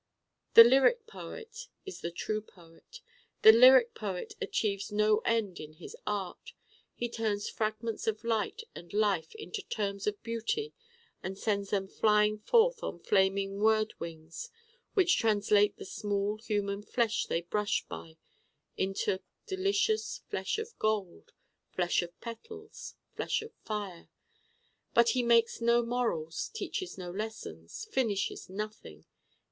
The lyric poet is the true poet. The lyric poet achieves no end in his art. He turns fragments of light and life into terms of beauty and sends them flying forth on flaming word wings which translate the smooth human flesh they brush by into delicious flesh of gold, flesh of petals, flesh of fire! But he makes no morals, teaches no lessons, finishes nothing.